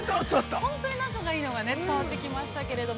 ◆本当に仲がいいのが伝わってきましたけれども。